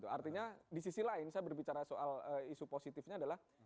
artinya di sisi lain saya berbicara soal isu positifnya adalah